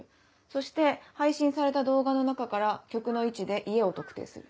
そして配信された動画の中から曲の位置で家を特定する。